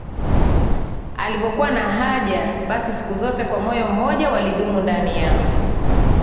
alivyokuwa na haja Basi siku zote kwa moyo mmoja walidumu ndani ya